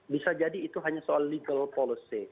bisa jadi itu hanya soal legal policy